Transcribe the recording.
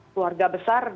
keluarga besar dia berkuasa